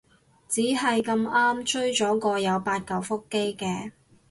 只係咁啱追咗個有八舊腹肌嘅